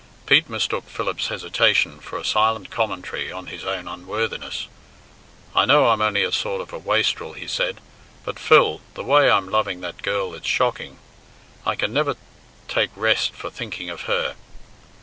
Pete mistook Philip's hesitation for a silent commentary on his own unworthiness. "I know I'm only a sort of a waistrel," he said, "but, Phil, the way I'm loving that girl it's shocking. I can never take rest for thinking of her.